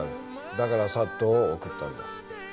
だからＳＡＴを送ったんだ。